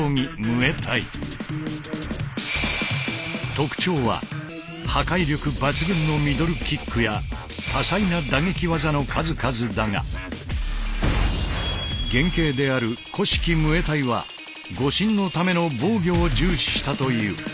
特徴は破壊力抜群のミドルキックや多彩な打撃技の数々だが原形である古式ムエタイは護身のための防御を重視したという。